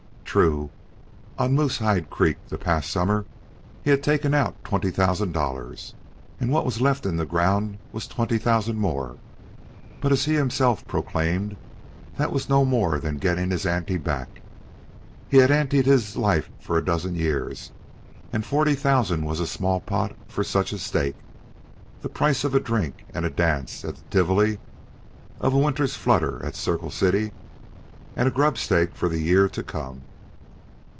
True, on Moosehide Creek the past summer he had taken out twenty thousand dollars, and what was left in the ground was twenty thousand more. But, as he himself proclaimed, that was no more than getting his ante back. He had ante'd his life for a dozen years, and forty thousand was a small pot for such a stake the price of a drink and a dance at the Tivoli, of a winter's flutter at Circle City, and a grubstake for the year to come.